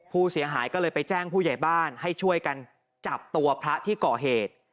ผู้เสียหายก็เลยไปแจ้งผู้ใหญ่บ้านให้ช่วยกันจับตัวพระที่ก่อเหตุ